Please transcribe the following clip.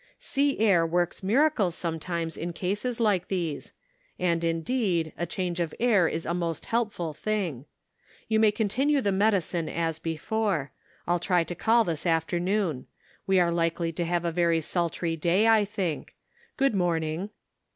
Sea air works miracles sometimes in cases like these ; and, indeed, a change of air is a most helpful thing. You may continue the medicine as before. I'll try to call this afternoon. We are likely to have a very sultry day, I think. Good morning."